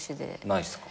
ないっすか？